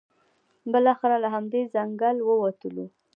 بالاخره له همدې ځنګل ووتلو.